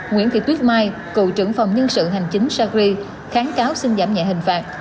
nguyễn thị tuyết mai cựu trưởng phòng nhân sự hành chính sagri kháng cáo xin giảm nhẹ hình phạt